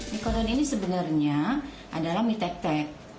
mikodon ini sebenarnya adalah mie tek tek